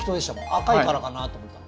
赤いからかなと思ったの。